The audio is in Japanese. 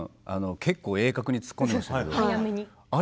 結構、鋭角に突っ込んでましたけどあれ